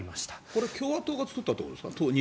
これ、共和党が作ったということですか？